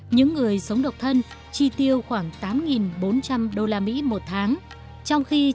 những người sống độc thân chi tiêu khoảng tám bốn trăm linh đô la mỹ một tháng